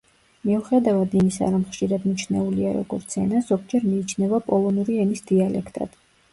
მიუხედავად იმისა, რომ ხშირად მიჩნეულია როგორც ენა, ზოგჯერ მიიჩნევა პოლონური ენის დიალექტად.